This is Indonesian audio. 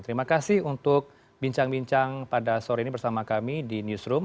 terima kasih untuk bincang bincang pada sore ini bersama kami di newsroom